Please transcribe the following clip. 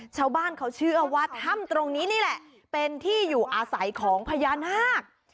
ชาวบ้านเขาเชื่อว่าถ้ำตรงนี้นี่แหละเป็นที่อยู่อาศัยของพญานาค